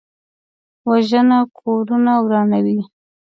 وژنه کورونه ورانوي